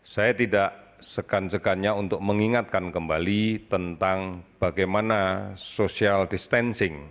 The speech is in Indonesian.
saya tidak segan segannya untuk mengingatkan kembali tentang bagaimana social distancing